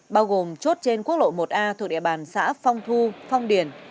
bao gồm chốt trên quốc lộ một a thuộc địa bàn xã phong thu phong điển